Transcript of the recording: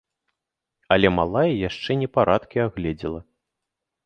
Але малая яшчэ непарадкі агледзела.